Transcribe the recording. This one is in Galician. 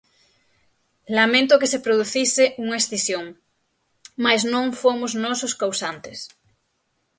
Lamento que se producise unha escisión, mais non fomos nós os causantes.